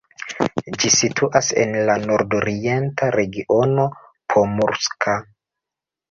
Ĝi situas en la nordorienta regiono Pomurska.